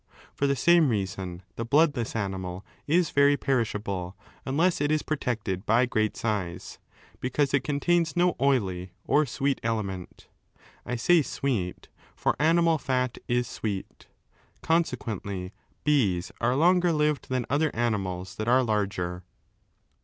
For the same reason the bloodless animal is very perishable, unless it is protected by great size, because it contains no oily or sweet element. I say sweet, for animal fat is sweet Consequently bees are longer lived than other animals that are larger.